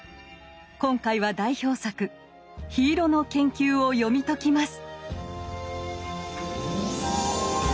今回は代表作「緋色の研究」を読み解きます。